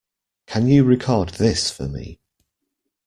Can you record this for me?